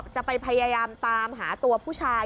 จะไปพยายามตามหาตัวผู้ชาย